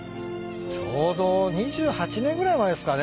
ちょうど２８年ぐらい前っすかね